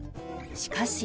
しかし。